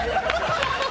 ハハハハ！